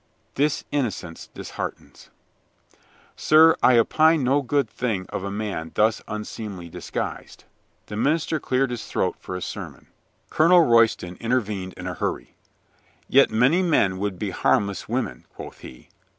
"This innocence disheartens." "Sir, I opine no good thing of a man thus un seemly disguised." The minister cleared his throat for a sermon. Colonel Royston intervened in a hurry. "Yet many men would be harmless women," quoth he.